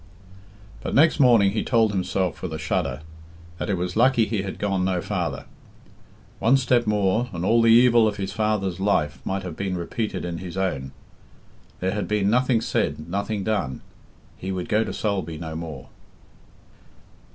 But next morning he told himself, with a shudder, that it was lucky he had gone no farther. One step more and all the evil of his father's life might have been repeated in his own. There had been nothing said, nothing done. He would go to Sulby no more.